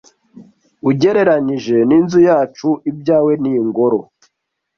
Ugereranije n'inzu yacu, ibyawe ni ingoro.